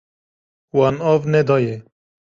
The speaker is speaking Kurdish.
Wan av nedaye.